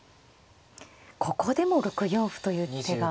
ここでも６四歩という手が。